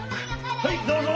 はいどうぞ！